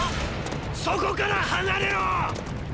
そこから離れろ！！